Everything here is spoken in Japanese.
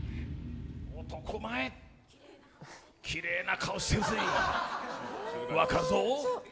男前、きれいな顔してるぜえ、若造？